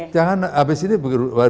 jangan abis ini berubah ubah